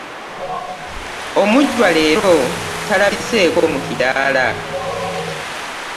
Omujjwa leero talabiseeko mu kiddaala.